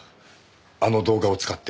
あの動画を使って。